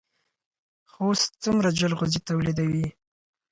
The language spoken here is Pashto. خوست څومره جلغوزي تولیدوي؟